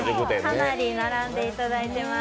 かなり並んでいただいています。